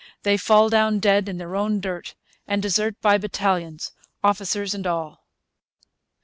They fall down dead in their own dirt, and desert by battalions, officers and all.'